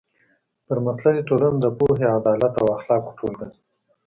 پرمختللې ټولنه د پوهې، عدالت او اخلاقو ټولګه ده.